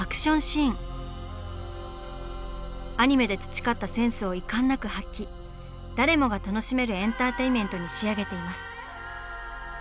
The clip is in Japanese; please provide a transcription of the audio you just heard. アニメで培ったセンスを遺憾なく発揮誰もが楽しめるエンターテインメントに仕上げています。